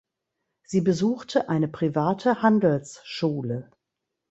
Sie besuchte eine private Handelsschule.